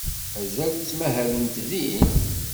Mazal ttmahalent din?